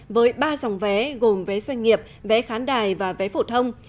với ba dòng vé gồm vé doanh nghiệp vé khán đài và vé phổ thông